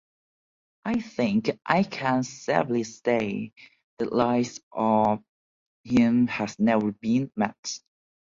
I think I can safely say, the likes of him has never been matched.